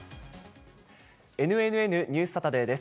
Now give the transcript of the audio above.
ＮＮＮニュースサタデーです。